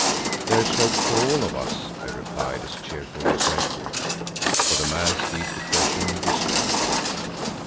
"There's hope for all of us," I replied as cheerfully as I could, for the man's deep depression disturbed me.